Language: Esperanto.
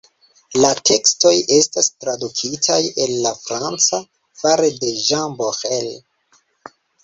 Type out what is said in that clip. La tekstoj estas tradukitaj el la franca fare de Jean Borel.